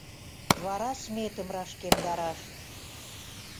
Вара сметым рашкемдараш.